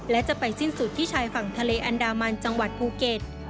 และจะไปสิ้นสุดที่ชายฝั่งทะเลอันดามันจังหวัดภูเก็ต